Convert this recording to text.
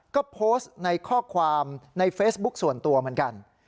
ก็โพสต์ในข้อความในเฟซบุ๊คส่วนตัวเหมือนกัน